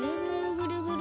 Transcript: ぐるぐる。